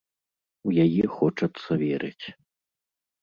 У яе хочацца верыць.